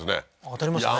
当たりましたね